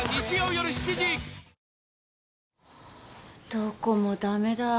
どこも駄目だ。